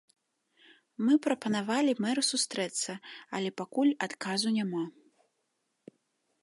Мы прапанавалі мэру сустрэцца, але пакуль адказу няма.